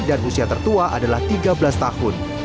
dan usia tertua adalah tiga belas tahun